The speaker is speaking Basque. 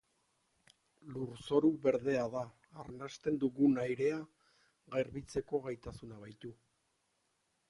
Lurzoru berdea da, arnasten dugun airea garbitzeko gaitasuna baitu.